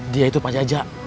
dia itu pak jajak